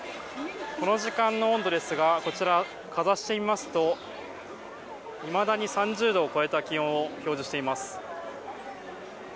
この時間の温度ですがこちら、かざしてみますといまだに３０度を超えた気温を表示しています。